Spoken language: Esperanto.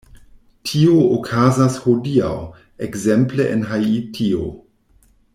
Tio okazas hodiaŭ, ekzemple, en Haitio.